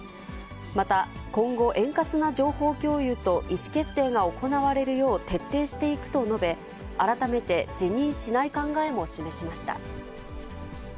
また、今後、円滑な情報共有と意思決定が行われるよう徹底していくと述べ、改めて辞任しない考えも示しました。